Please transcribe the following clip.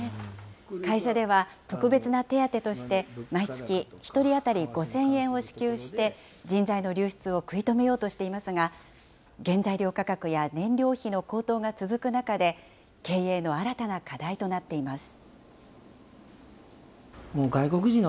会社では特別な手当として、毎月１人当たり５０００円を支給して、人材の流出を食い止めようとしていますが、原材料価格や燃料費の高騰が続く中で、経営の新たな課題となっています。